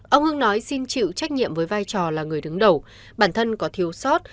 ông hưng nói xin chịu trách nhiệm với vai trò là người đứng đầu bản thân có thiếu sót